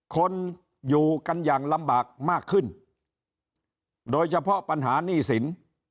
คนอยู่กันอย่างลำบากมากขึ้นโดยเฉพาะปัญหาหนี้สิน